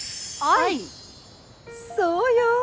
そうよ。